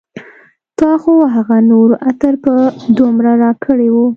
تا خو هغه نور عطر په دومره راکړي و